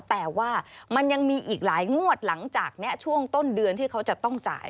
แต่ว่ามันยังมีอีกหลายงวดหลังจากนี้ช่วงต้นเดือนที่เขาจะต้องจ่าย